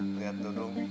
lihat tuh dong